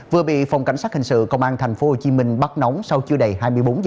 vừa bị phòng cảnh sát hình sự công an tp hcm bắt nóng sau chưa đầy hai mươi bốn h